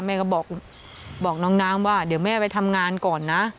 แม่ก็บอกน้องน้ำว่าเดี๋ยวแม่ไปทำงานก่อนนะ